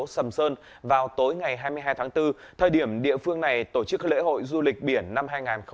sầm sơn vào tối ngày hai mươi hai tháng bốn thời điểm địa phương này tổ chức lễ hội du lịch biển năm hai nghìn hai mươi bốn